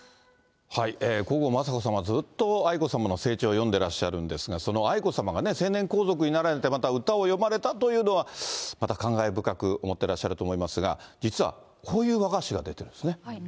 皇后雅子さま、ずっと愛子さまの成長を詠んでらっしゃるんですが、その愛子さまがね、成年皇族になられて、また歌を詠まれたというのは、また感慨深く思ってらっしゃると思いますが、実はこういう和菓子が出てるんですね。